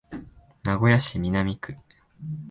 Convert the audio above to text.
名古屋市南区